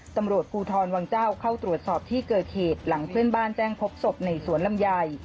ตำรวจภูทรวังเจ้าเข้าตรวจสอบที่เกิดเหตุหลังเพื่อนบ้านแจ้งพบศพในสวนลำไย